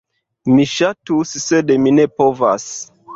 Mi ŝatus, sed mi ne povas.